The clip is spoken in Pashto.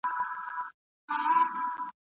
چي په پاڼو د تاریخ کي لوستلې